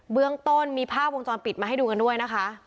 เบื้องต้นมีภาพวงจรปิดมาให้ดูกันด้วยนะคะ